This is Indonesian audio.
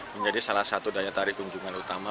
menjadi salah satu daya tarik kunjungan utama